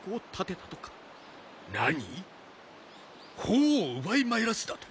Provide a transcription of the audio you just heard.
法皇を奪いまいらすだと！